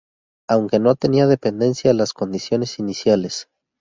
Aunque no tenía dependencia a las condiciones iniciales.